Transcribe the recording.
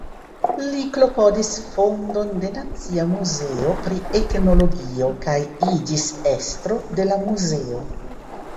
Li klopodis fondon de Nacia Muzeo pri Etnologio kaj iĝis estro de la muzeo.